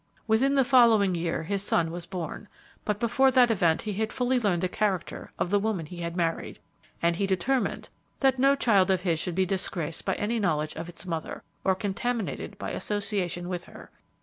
Within the following year, his son was born; but before that event he had fully learned the character of the woman he had married, and he determined that no child of his should be disgraced by any knowledge of its mother, or contaminated by association with her.